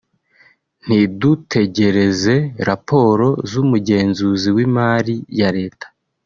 ntidutegereze raporo z’umugenzuzi w’imari ya leta